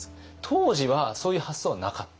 当時はそういう発想はなかった？